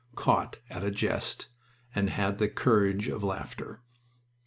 caught at a jest, and had the courage of laughter.